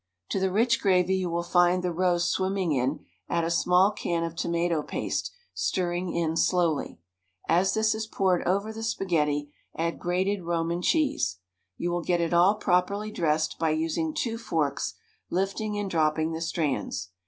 To the rich gravy you will find the roast swimming in add a small can of tomato paste, stirring in slowly. As this is poured over the spaghetti add grated Roman cheese. You will get it all properly dressed by using two forks, lifting and dropping the strands.